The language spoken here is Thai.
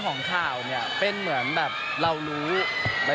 ซึ่งเจ้าตัวก็ยอมรับว่าเออก็คงจะเลี่ยงไม่ได้หรอกที่จะถูกมองว่าจับปลาสองมือ